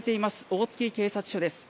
大月警察署です。